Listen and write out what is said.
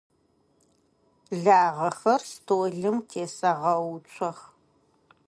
Лагъэхэр столым тесэгъэуцох.